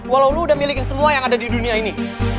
walau udah milikin semua yang ada di dunia ini